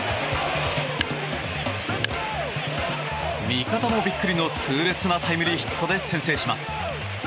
味方もビックリの痛烈なタイムリーヒットで先制します。